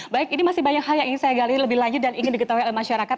baik ini masih banyak hal yang ingin saya gali lebih lanjut dan ingin diketahui oleh masyarakat